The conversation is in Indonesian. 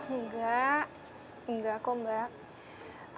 enggak enggak kok mbak